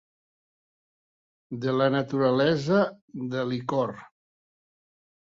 De la naturalesa de l'icor.